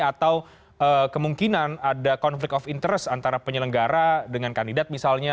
atau kemungkinan ada konflik of interest antara penyelenggara dengan kandidat misalnya